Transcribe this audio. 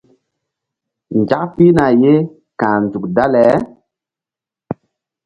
Nzak pihna ye ka̧h nzuk dale.